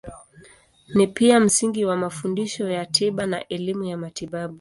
Ni pia msingi wa mafundisho ya tiba na elimu ya matibabu.